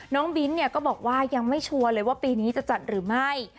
บิ้นเนี่ยก็บอกว่ายังไม่ชัวร์เลยว่าปีนี้จะจัดหรือไม่